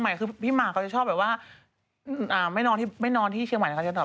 ถ้าเป็นอินโนเซนต์เธอตบหน้าให้